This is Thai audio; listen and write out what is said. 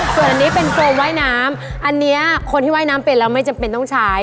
ส่วนอันนี้เป็นโฟมว่ายน้ำอันนี้คนที่ว่ายน้ำเป็นแล้วไม่จำเป็นต้องใช้